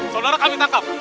saudara kami tangkap